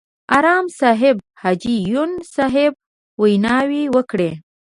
اړم صاحب، حاجي یون صاحب ویناوې وکړې.